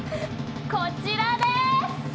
こちらです！